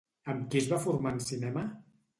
Amb qui es va formar en cinema?